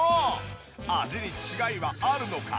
味に違いはあるのか？